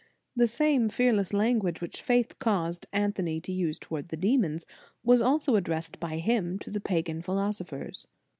"* The same fearless language which faith caused Anthony to use towards the demons, was also addressed by him to the pagan phi losophers.